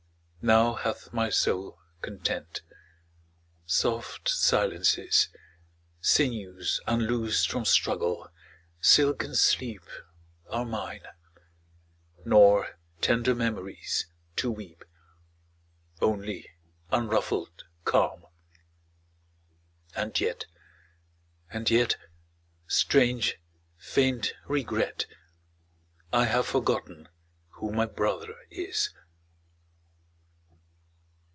Now hath my soul content. Soft silences, Sinews unloosed from struggle, silken sleep, 27 Are mine; nor tender memories to weep. Only unruffled calm; and yet — and yet — Strange, faint regret — I have forgotten who my brother is!